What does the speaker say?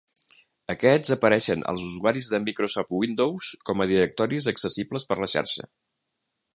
Aquests apareixen als usuaris de Microsoft Windows com a directoris accessibles per la xarxa.